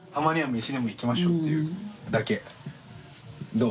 どう？